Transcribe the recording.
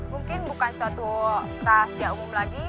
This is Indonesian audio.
mungkin bukan suatu rahasia umum lagi